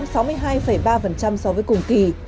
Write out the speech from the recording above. so với cùng kỳ